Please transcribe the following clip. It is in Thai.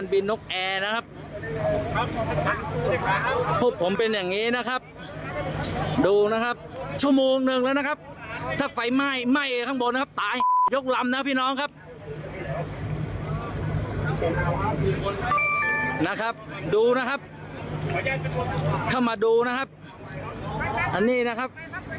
ดูนะครับถ้ามาดูนะครับอันนี้นะครับนี่ครับตกนี่ครับตกรางครับ